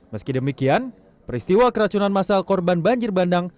meski demikian peristiwa keracunan masal korban banjir bandang